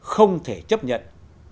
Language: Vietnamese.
không thể chấp nhận